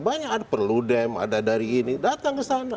banyak ada perludem ada dari ini datang kesana